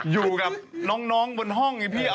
อย่างนี้อ่ะ